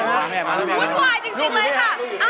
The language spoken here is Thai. ขอนเขาตลอดแล้วค่ะ